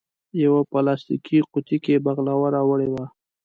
یوه پلاستیکي قوتۍ کې بغلاوه راوړې وه.